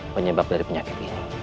penyebab dari penyakit ini